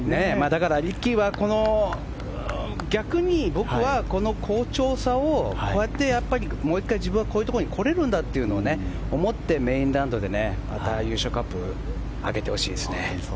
だから、リッキーは逆に僕はこの好調さをこうやってもう１回自分はこういうところに来れるんだと思ってメインラウンドで優勝カップを掲げてほしいですね。